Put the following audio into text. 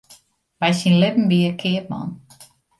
By syn libben wie er keapman.